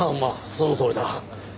そのとおりだ。